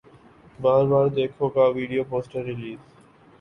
بار بار دیکھو کا ویڈیو پوسٹر ریلیز